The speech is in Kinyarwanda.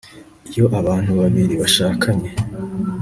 iyo abantu babiri bashakanye